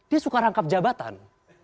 dia suka rangkap jabatan